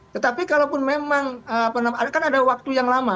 tetapi kalau pun memang ada waktu yang lama